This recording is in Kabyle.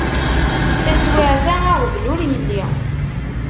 Taswiεt-a aɣbel ur yelli.